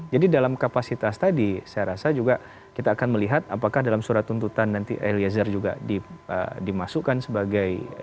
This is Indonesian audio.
jadi dalam kapasitas tadi saya rasa juga kita akan melihat apakah dalam surat tuntutan nanti eliezer juga dimasukkan sebagai